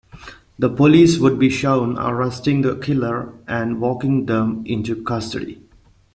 The police would be shown arresting the killer and walking them into custody.